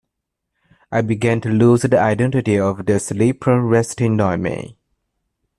I began to lose the identity of the sleeper resting on me.